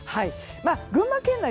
群馬県内